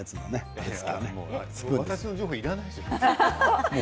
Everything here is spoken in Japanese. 私の情報はいらないでしょう？